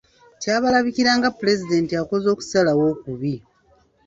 Kyabalabikira nga Pulezidenti akoze okusalawo okubi.